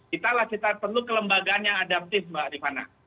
kita lah kita perlu kelembagaan yang adaptif mbak rifana